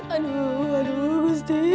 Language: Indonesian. aduh aduh gusti